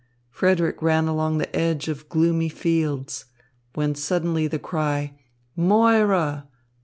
Frederick ran along the edge of gloomy fields, when suddenly the cry "Moira!